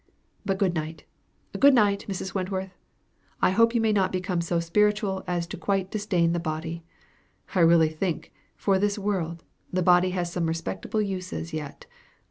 But good night, good night, Mrs. Wentworth. I hope you may not become so spiritual as quite to disdain the body. I really think, for this world, the body has some respectable uses yet.